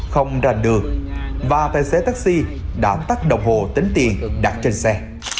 không rành đường và tài xế taxi đã tắt đồng hồ tính tiền đặt trên xe